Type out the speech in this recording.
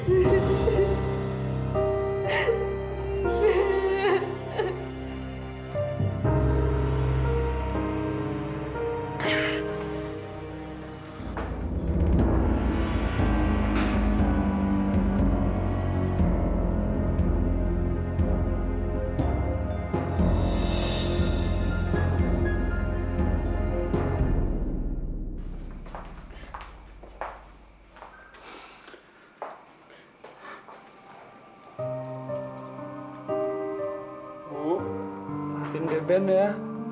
bu nanti beben ya